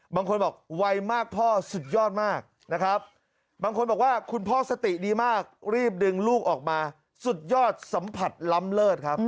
บางคนบอกไวมากพ่อสุดยอดมากนะครับบางคนบอกว่าคุณพ่อสติดีมากรีบดึงลูกออกมาสุดยอดสัมผัสล้ำเลิศครับ